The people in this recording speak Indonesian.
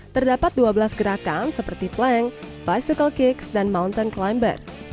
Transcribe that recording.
terdapat dua belas gerakan seperti plank bicycle kicks dan mountain climber